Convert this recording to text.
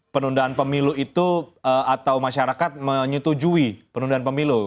penundaan pemilu itu atau masyarakat menyetujui penundaan pemilu